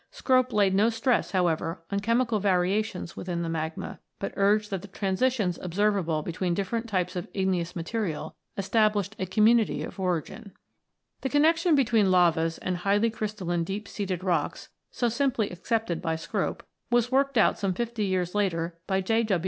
Scrope laid no stress, however, on chemical variations within the magma, but urged that the transitions observable between different types of igneous material established a community of origin. The connexion between lavas and highly crystalline deep seated rocks, so simply accepted by Scrope, was worked out some fifty years later by J.